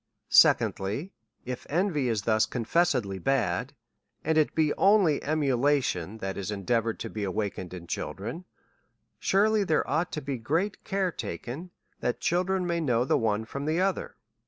Secondly, If envy is thus confessedly bad, and it be only emulation that is endeavoured to be awakened in children, surely there ought to be great care taken, that children may know the one from the other.